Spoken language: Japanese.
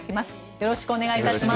よろしくお願いします。